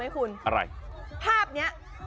ภาพนี้